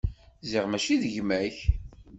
Ziɣ mačči d gma-k.